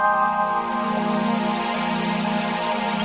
ke rumah emak